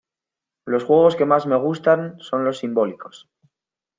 Los juegos que más me gustan son los simbólicos.